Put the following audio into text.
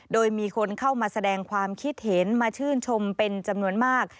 โดยมีคนเข้ามาแสดงความคิดเห็นมาชื่นชมเป็นจำนวนมาก